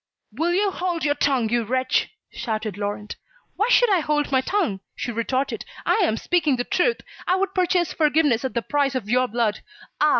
"Will you hold your tongue, you wretch?" shouted Laurent. "Why should I hold my tongue?" she retorted. "I am speaking the truth. I would purchase forgiveness at the price of your blood. Ah!